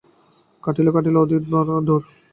কাটিল কাটিল অধীনতা ডোর।